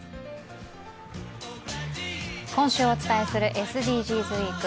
今週お伝えするＳＤＧｓウィーク。